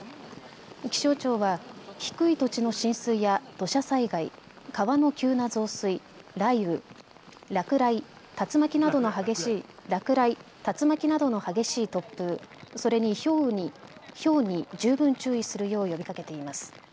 気象庁は低い土地の浸水や土砂災害、川の急な増水、落雷、竜巻などの激しい突風、それに、ひょうに十分注意するよう呼びかけています。